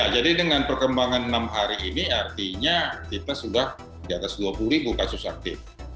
jadi dengan perkembangan enam hari ini artinya kita sudah di atas dua puluh ribu kasus aktif